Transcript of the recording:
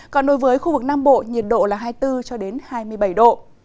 còn đối với khu vực nam bộ nhiệt độ là hai mươi bốn cho đến hai mươi bảy độ